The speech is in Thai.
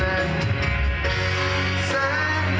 ว่าจะรักแค่คุณ